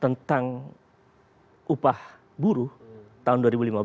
tentang upah buruh tahun dua ribu lima belas